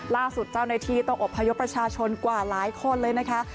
ล่าสุดเจ้าหน้าที่ต้องอบพยพประชาชนกว่าหลายคนเลยนะคะ